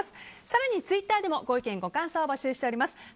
更に、ツイッターでもご意見、ご感想を募集しています。